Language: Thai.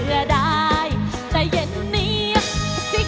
ฮุยฮาฮุยฮารอบนี้ดูทางเวที